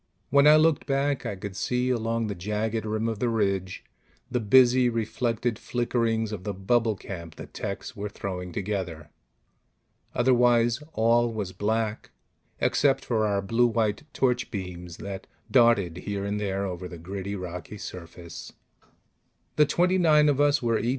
When I looked back, I could see, along the jagged rim of the ridge, the busy reflected flickerings of the bubble camp the techs were throwing together. Otherwise all was black, except for our blue white torch beams that darted here and there over the gritty, rocky surface. The twenty nine of us were E.